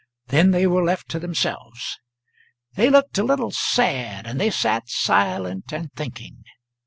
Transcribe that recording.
Then they were left to themselves. They looked a little sad, and they sat silent and thinking.